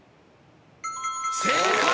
正解！